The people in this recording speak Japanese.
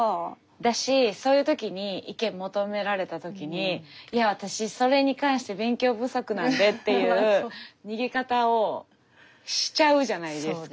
だしそういう時に意見求められた時にいや私それに関して勉強不足なんでっていう逃げ方をしちゃうじゃないですか。